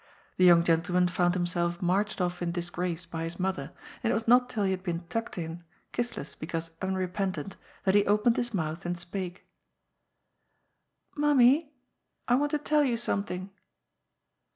The young gentleman found himself marched off in dis grace by his mother, and it was not till he had been tucked in, kissless because unrepentant, that he opened his mouth and spake :" Mammie, I want to tell you something."